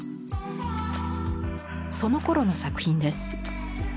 そのころの作品です。